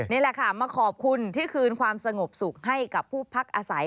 นี่แหละค่ะมาขอบคุณที่คืนความสงบสุขให้กับผู้พักอาศัย